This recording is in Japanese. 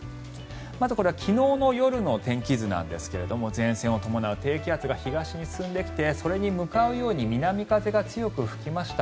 まずこれは昨日の夜の天気図なんですが前線を伴う低気圧が東に進んできてそれに向かうように南風が強く吹きました。